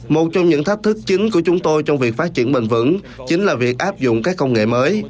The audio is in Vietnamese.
một trong những thách thức chính của chúng tôi trong việc phát triển bền vững chính là việc áp dụng các công nghệ mới